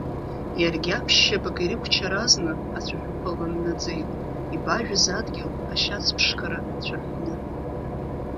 Иаргьы, аԥшь-шьапык ирықәчаразны, ацәаҳәақәа ланнаҵеит, ибажәыз адгьыл ашьацԥшқара цәырҳәны.